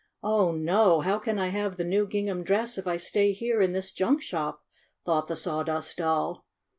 Oh, no ! How can I have the new gingham dress if I stay here in this junk shop?" thought the Sawdust Doll.